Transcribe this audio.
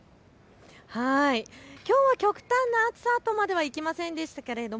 きょうは極端な暑さとまではいきませんでしたけれど